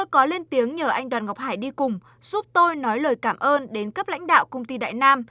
tôi có lên tiếng nhờ anh đoàn ngọc hải đi cùng giúp tôi nói lời cảm ơn đến cấp lãnh đạo công ty đại nam